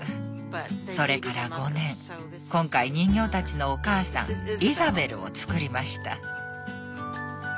それから５年今回人形たちのお母さんイザベルを作りました。